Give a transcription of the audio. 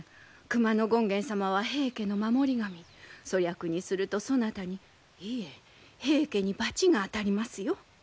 熊野権現様は平家の守り神粗略にするとそなたにいえ平家に罰が当たりますよ。